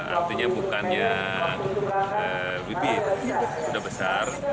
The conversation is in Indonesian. artinya bukan yang bibit sudah besar